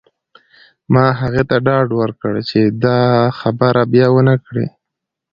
ما هغې ته ډاډ ورکړ چې دا خبره بیا ونه کړې